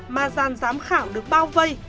mà gian giám khảo được bao vây